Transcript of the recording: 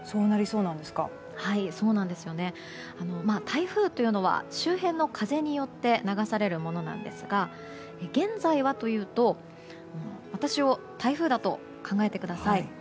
台風というのは周辺の風によって流されるものなんですが現在はというと私を、台風だと考えてください。